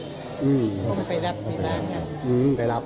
ก็มันไปรับไปบ้างครับ